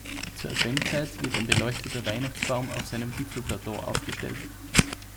Zur Adventszeit wird ein beleuchteter Weihnachtsbaum auf seinem Gipfelplateau aufgestellt.